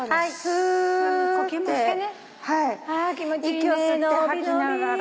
息を吸って吐きながら。